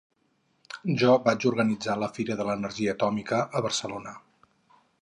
Jo vaig organitzar la fira de l’energia atòmica a Barcelona.